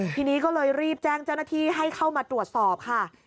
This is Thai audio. ทีนี้ก็เลยรีบแจ้งเจ้าหน้าที่ให้เข้ามาตรวจสอบค่ะ